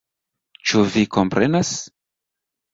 Ĉu Vi komprenas?